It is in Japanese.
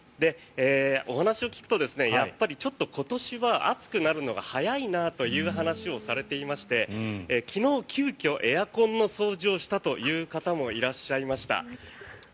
お話を聞くとやっぱりちょっと今年は暑くなるのが早いなという話をされていまして昨日、急きょエアコンの掃除をしたという方もいらっしゃいました。